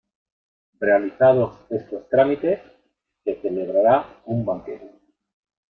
Realizados estos trámites, se celebraba un banquete.